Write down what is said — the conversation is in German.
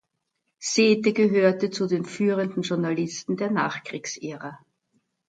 Sethe gehörte zu den führenden Journalisten der Nachkriegsära.